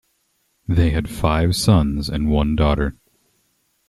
They had five sons and one daughter.